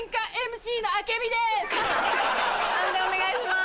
判定お願いします。